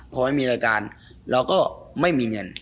พอไม่มีรายการเราก็ไม่มีเงิน